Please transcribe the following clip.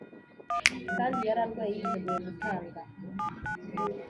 kandi yari arwaye yiteguye gutanga.